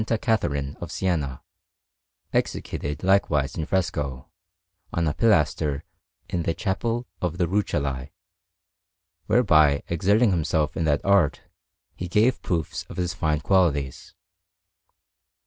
Catharine of Siena, executed likewise in fresco, on a pilaster in the Chapel of the Rucellai; whereby, exerting himself in that art, he gave proofs of his fine qualities.